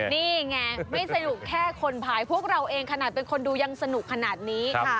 นี่ไงไม่สนุกแค่คนภายพวกเราเองขนาดเป็นคนดูยังสนุกขนาดนี้